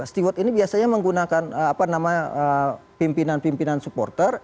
steward ini biasanya menggunakan pimpinan pimpinan supporter